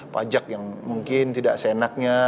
pajak yang mungkin tidak seenaknya